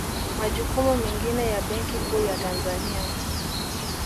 Majukumu mengine ya Benki Kuu ya Tanzania